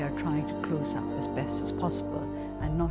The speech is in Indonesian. dan tidak untuk memperlembutkannya lebih lanjut